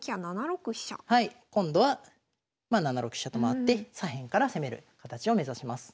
今度は７六飛車と回って左辺から攻める形を目指します。